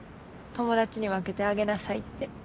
友達に分けてあげなさいって。